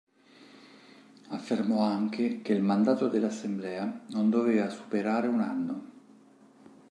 Affermò anche che il mandato dell'Assemblea non doveva superare un anno.